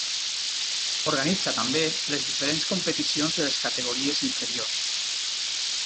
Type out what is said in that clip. Organitza també les diferents competicions de les categories inferiors.